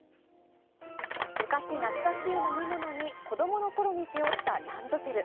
昔懐かしい飲み物に子どものころに背負ったランドセル。